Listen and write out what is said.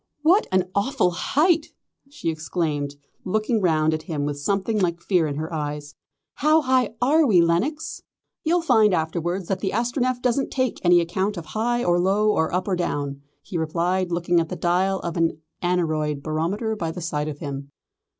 "What an awful height!" she exclaimed, looking round at him with something like fear in her eyes. "How high are we, Lenox?" "You'll find afterwards that the Astronef doesn't take any account of high or low or up or down," he replied, looking at the dial of an aneroid barometer by the side of him.